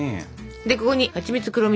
でここにはちみつ黒蜜